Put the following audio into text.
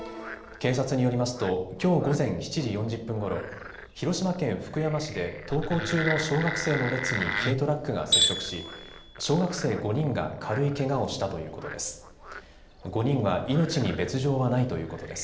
警察によりますときょう午前７時４０分ごろ、広島県福山市で登校中の小学生の列に軽トラックが接触し小学生５人が軽いけがをしたということです。